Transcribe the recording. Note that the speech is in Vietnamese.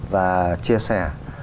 và chia sẻ